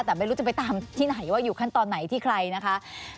แต่ไม่รู้จะไปตามที่ไหนว่าอยู่ขั้นตอนไหนที่ใครนะคะ